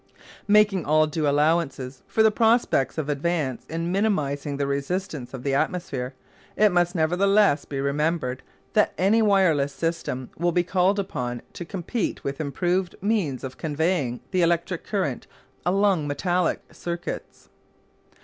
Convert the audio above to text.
Making all due allowances for the prospects of advance in minimising the resistance of the atmosphere, it must nevertheless be remembered that any wireless system will be called upon to compete with improved means of conveying the electric current along metallic circuits.